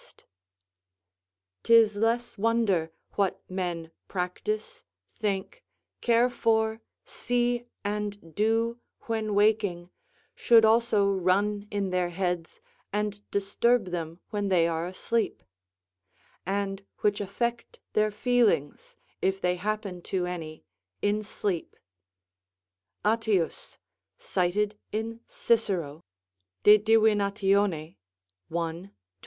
["'Tis less wonder, what men practise, think, care for, see, and do when waking, (should also run in their heads and disturb them when they are asleep) and which affect their feelings, if they happen to any in sleep." Attius, cited in Cicero, De Divin., i. 22.